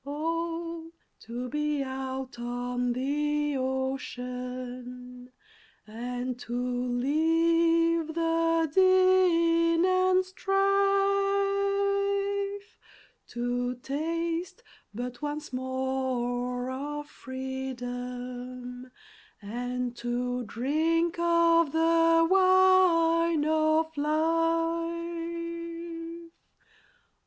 Oh, to be out on the Ocean! and to leave the din and strife, To taste but once more of freedom and to drink of the wine of life!